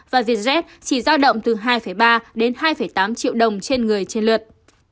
và vietjet chỉ giao động từ hai ba đến hai tám triệu đồng trên người trên lượt